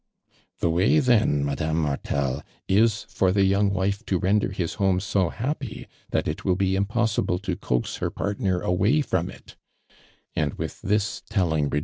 •'The way then, Madame Martel is, for the young wife to render his home so happy, that it w^ill bo impossible to coax her part ner away from it," and with this telling it?